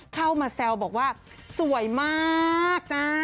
เข้ามาแซวบอกว่าสวยมากจ้า